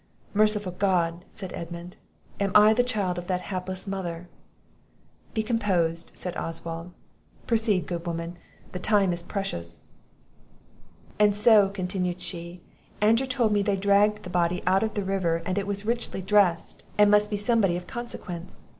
'" "Merciful God!" said Edmund; "am I the child of that hapless mother?" "Be composed," said Oswald; "proceed, good woman, the time is precious." "And so," continued she, "Andrew told me they dragged the body out of the river, and it was richly dressed, and must be somebody of consequence.